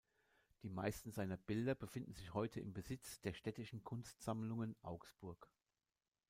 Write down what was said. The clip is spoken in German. Die meisten seiner Bilder befinden sich heute im Besitz der Städtischen Kunstsammlungen Augsburg.